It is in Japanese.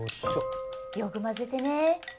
よく混ぜてね。